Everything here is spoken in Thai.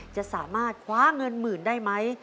จะสามารถคว้าเงินหมื่นได้ไหม